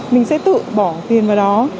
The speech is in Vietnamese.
mình sẽ tự bỏ tiền vào đó